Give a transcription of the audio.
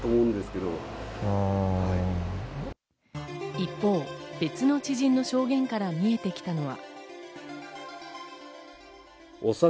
一方、別の知人の証言から見えてきたのは。